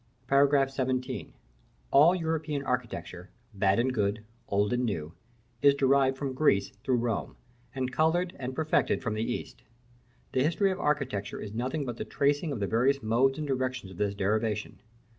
§ XVII. All European architecture, bad and good, old and new, is derived from Greece through Rome, and colored and perfected from the East. The history of architecture is nothing but the tracing of the various modes and directions of this derivation.